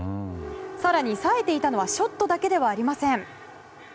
更に、さえていたのはショットだけではありません。